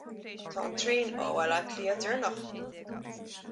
Tá an traein ó Bhaile Átha Cliath déanach.